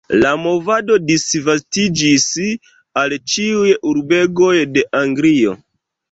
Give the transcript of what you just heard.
La movado disvastiĝis al ĉiuj urbegoj de Anglio.